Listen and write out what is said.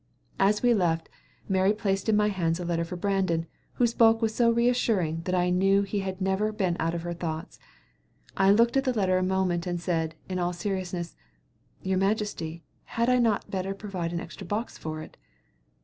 As we left, Mary placed in my hands a letter for Brandon, whose bulk was so reassuring that I knew he had never been out of her thoughts. I looked at the letter a moment and said, in all seriousness: "Your majesty, had I not better provide an extra box for it?"